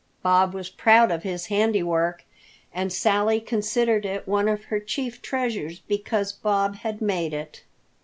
Bob was proud of his handiwork and Sally considered it one of her chief treasures because Bob had made it.